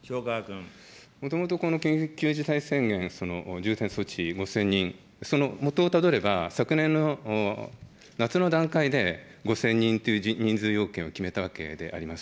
もともとこの緊急事態宣言、重点措置５０００人、そのもとをたどれば、昨年の夏の段階で、５０００人という人数要件を決めたわけであります。